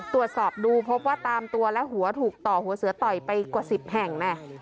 ตรวจสอบดูพบว่าตามตัวและหัวถูกต่อหัวเสือต่อยไปกว่า๑๐แห่ง